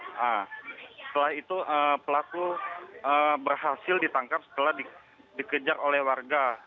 setelah itu pelaku berhasil ditangkap setelah dikejar oleh warga